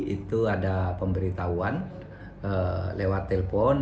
itu ada pemberitahuan lewat telpon